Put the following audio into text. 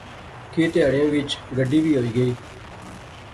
کی تہاڑیاں وچ گڈی وی ہوئی گئی